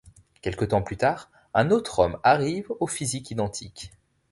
Quelque temps plus tard, un autre homme arrive, au physique identique.